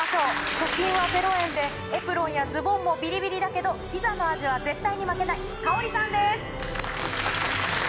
貯金は０円でエプロンやズボンもビリビリだけどピザの味は絶対に負けない。